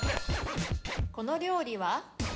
この料理は？